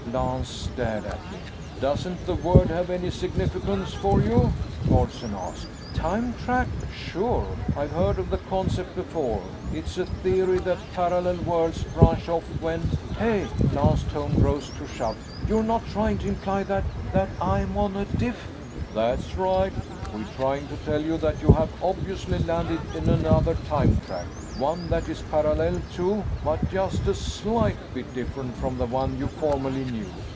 Lance stared at him. "Doesn't the word have any significance for you?" Nordsen asked. "Time track? Sure, I've heard of the concept before. It's a theory that parallel worlds branch off when ... hey!" Lance's tone rose to a shout. "You're not trying to imply that ... that I'm on a diff ?" "That's right. We're trying to tell you that you have obviously landed in another time track. One that is parallel to but just a slight bit different from the one you formerly knew.